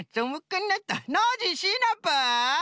ノージーシナプー？